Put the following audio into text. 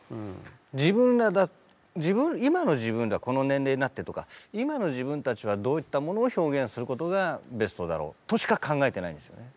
自分ら今の自分らはこの年齢になってとか今の自分たちはどういったものを表現することがベストだろうとしか考えてないんですよね。